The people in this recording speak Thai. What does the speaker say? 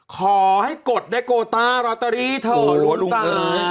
ขอให้กดได้โกต้ารอตเตอรี่เถอะ